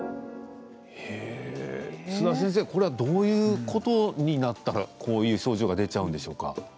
須田先生、これはどういうことになったらこういう症状が出ちゃうんでしょうか。